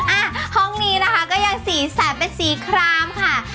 อ่ะห้องนี้นะคะก็ยังสีสันเป็นสีครามค่ะ